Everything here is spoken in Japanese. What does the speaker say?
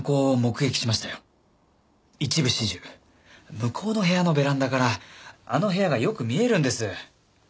向こうの部屋のベランダからあの部屋がよく見えるんです。